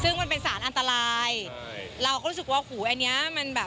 ซึ่งมันเป็นสารอันตรายเราก็รู้สึกว่าหูอันเนี้ยมันแบบ